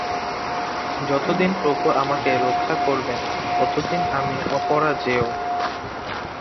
যতদিন প্রভু আমাকে রক্ষা করবেন, ততদিন আমি অপরাজেয়।